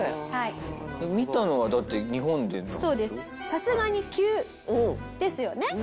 さすがに急ですよね。